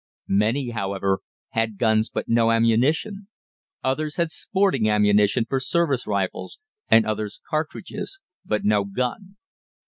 Many, however, had guns but no ammunition; others had sporting ammunition for service rifles, and others cartridges, but no gun.